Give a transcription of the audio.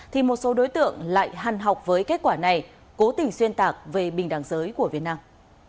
thì một số đối tượng lại hằn học với kết quả này cố tình xuyên tạc về bình đẳng giới của việt nam